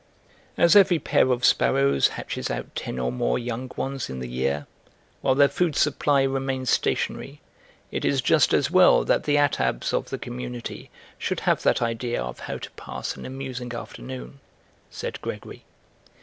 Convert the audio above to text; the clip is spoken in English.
"As every pair of sparrows hatches out ten or more young ones in the year, while their food supply remains stationary, it is just as well that the Attabs of the community should have that idea of how to pass an amusing afternoon," said Gregory.